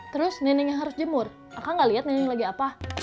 terus neneknya harus jemur aku enggak lihat neneknya lagi apa